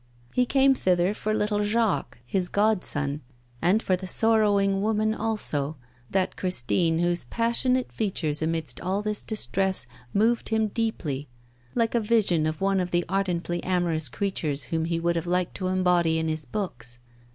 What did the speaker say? He came thither for little Jacques, his godson, and for the sorrowing woman also, that Christine whose passionate features amidst all this distress moved him deeply, like a vision of one of the ardently amorous creatures whom he would have liked to embody in his books.